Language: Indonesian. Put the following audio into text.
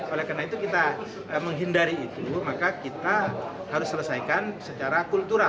oleh karena itu kita menghindari itu maka kita harus selesaikan secara kultural